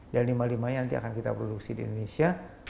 dan lima lima nya nanti akan kita produksi di indonesia